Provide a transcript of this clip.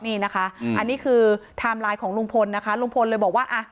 นี่นะคะอืมอันนี้คือของลุงพลนะคะลุงพลเลยบอกว่าอะ